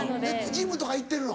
ジムとか行ってるの？